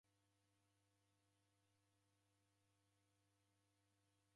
Mwazindika ni ngoma ya kidawida